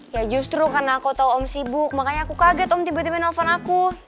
ya justru karena aku tahu om sibuk makanya aku kaget om tiba tiba nelfon aku